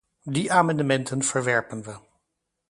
Die amendementen verwerpen we.